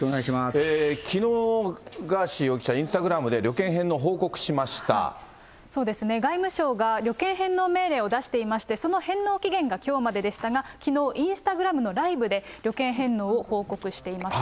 きのうガーシー容疑者、インスタグラムで旅券返納を報告しまそうですね、外務省が旅券返納命令を出していまして、その返納期限がきょうまででしたが、きのう、インスタグラムのライブで、旅券返納を報告しています。